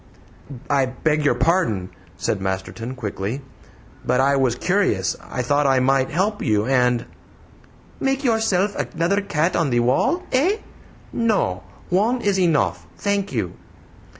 "I beg your pardon," said Masterton quickly, "but I was curious. I thought I might help you, and " "Make yourself another cat on the wall, eh? No; one is enough, thank you!"